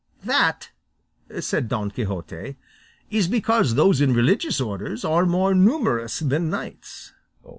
"That," said Don Quixote, "is because those in religious orders are more numerous than knights."